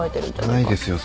ないですよ